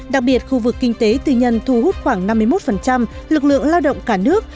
đặc biệt khu vực kinh tế tư nhân thu hút khoảng năm mươi một lực lượng lao động cả nước